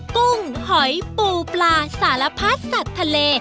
กุ้งหอยปูปลาสารพัดสัตว์ทะเล